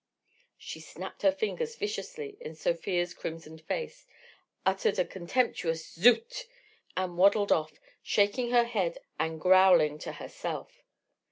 She snapped her fingers viciously in Sofia's crimsoned face, uttered a contemptuous "Zut!" and waddled off, shaking her head and growling to herself.